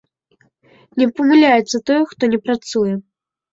Не памыляецца той, хто не працуе.